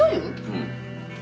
うん。